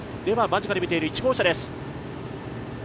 間近で見ている１号車です。